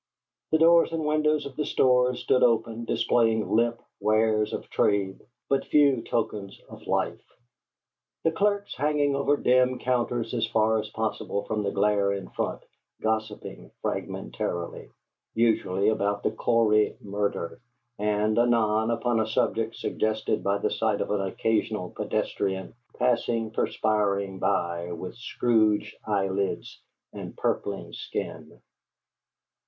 The doors and windows of the stores stood open, displaying limp wares of trade, but few tokens of life; the clerks hanging over dim counters as far as possible from the glare in front, gossiping fragmentarily, usually about the Cory murder, and, anon, upon a subject suggested by the sight of an occasional pedestrian passing perspiring by with scrooged eyelids and purpling skin.